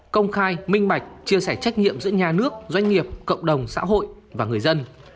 công khai minh mạch chia sẻ trách nhiệm giữa nhà nước doanh nghiệp cộng đồng xã hội và người dân